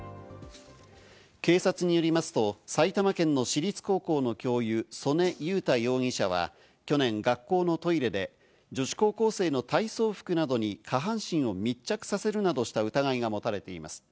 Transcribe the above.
警察によりますと埼玉県の私立高校の教諭、曽根佑太容疑者は去年、学校のトイレで女子高校生の体操服などに下半身を密着させるなどした疑いが持たれています。